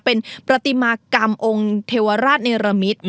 เป็นประติมากรรมองค์เทวราชเนรมิต